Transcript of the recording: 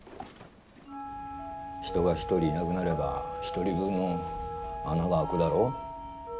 人が１人いなくなれば１人分穴が開くだろ？